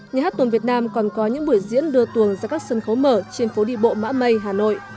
nhà hát tuồng việt nam còn có những buổi diễn đưa tuồng ra các sân khấu mở trên phố đi bộ mã mây hà nội